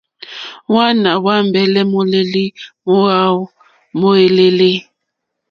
Hwàana hwa ambɛlɛ mòlèli mo awu mo èlèlè.